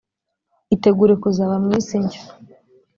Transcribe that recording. itegure kuzaba mu isi nshya